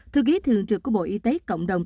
thư ký thường trực của bộ y tế cộng đồng